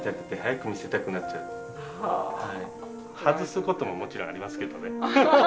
外すことももちろんありますけどね。